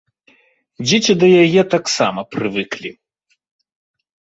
Дзеці да яе таксама прывыклі.